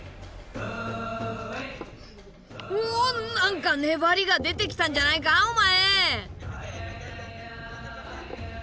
おお何か粘りが出てきたんじゃないかお前！